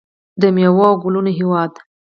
د میوو او ګلونو هیواد.